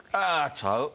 ちゃう？